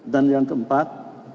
dan yang keempat